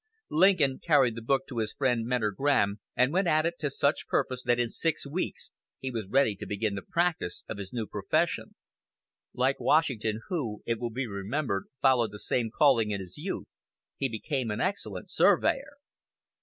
Lincoln carried the book to his friend Mentor Graham, and "went at it" to such purpose that in six weeks he was ready to begin the practice of his new profession. Like Washington, who, it will be remembered, followed the same calling in his youth, he became an excellent surveyor.